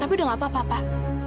tapi udah nggak apa apa pak